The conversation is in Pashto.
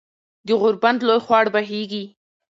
د غوربند لوے خوړ بهېږي